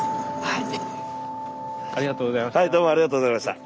はいどうもありがとうございました。